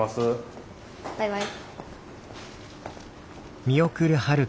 バイバイ。